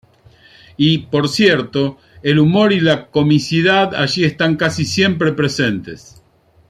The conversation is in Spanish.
Y por cierto, el humor y la comicidad allí están casi siempre presentes.